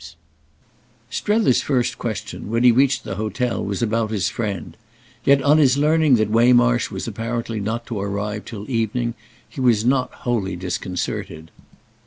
Book First I Strether's first question, when he reached the hotel, was about his friend; yet on his learning that Waymarsh was apparently not to arrive till evening he was not wholly disconcerted.